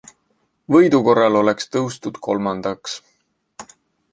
Võidu korral oleks tõustud kolmandaks.